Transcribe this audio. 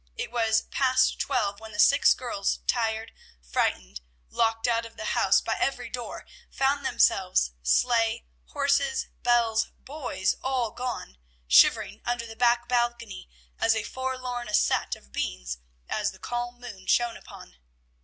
It was past twelve when the six girls, tired, frightened, locked out of the house by every door, found themselves sleigh, horses, bells, boys, all gone shivering under the back balcony, as forlorn a set of beings as the calm moon shone upon.